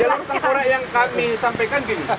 jalur tengkorak yang kami sampaikan gini